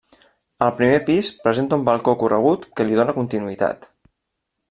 Al primer pis presenta un balcó corregut que li dóna continuïtat.